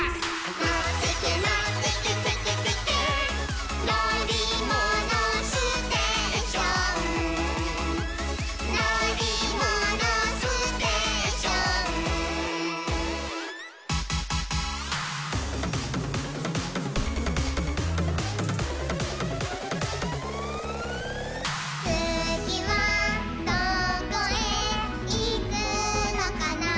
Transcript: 「のってけのってけテケテケ」「のりものステーション」「のりものステーション」「つぎはどこへいくのかな」